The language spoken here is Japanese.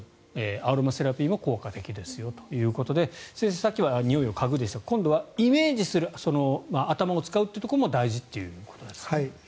アロマセラピーも効果的ですよということで先生、さっきはにおいを嗅ぐでしたが今度はイメージする頭を使うというところも大事ですよという。